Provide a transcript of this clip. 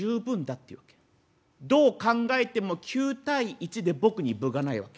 どう考えても９対１で僕に分がないわけ。